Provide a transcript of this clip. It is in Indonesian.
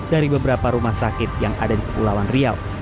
dari beberapa rumah sakit yang ada di kepulauan riau